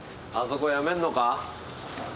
あそこ辞めんのか？